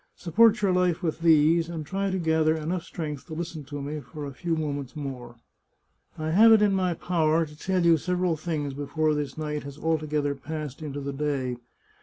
Support your life with these, and try to gather enough strength to listen to me for a few moments more. I have it in my power to tell you several things before this night has altogether passed into the day.